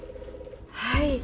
はい。